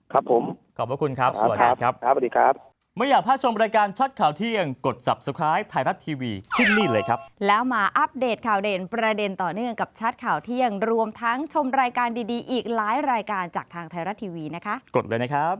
ครับผมขอบพระคุณครับสวัสดีครับสวัสดีครับ